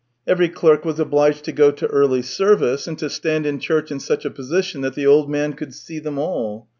Every clerk was obliged to go to early service, and to stand in chiuch in such a position that the old man could see them all.